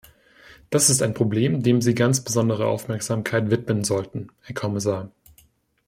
Das ist ein Problem, dem Sie ganz besondere Aufmerksamkeit widmen sollten, Herr Kommissar.